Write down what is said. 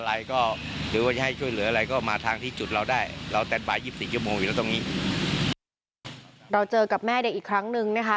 เราเจอกับแม่เด็กอีกครั้งนึงนะคะ